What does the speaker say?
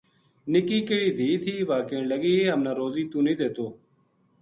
نِکی کہڑی دھی تھی واہ کہن لگی ہم نا روزی توہ نیہہ دیتو